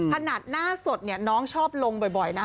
ขนาดหน้าสดเนี่ยน้องชอบลงบ่อยนะ